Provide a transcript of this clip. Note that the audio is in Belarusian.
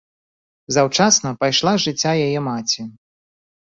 Заўчасна пайшла з жыцця яе маці.